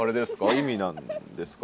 意味なんですか？